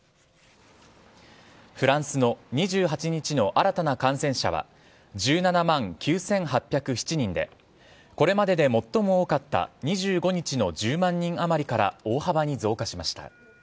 フランスの２８日の新たな感染者は、１７万９８０７人で、これまでで最も多かった２５日の１０万人余りから大幅に増加しました。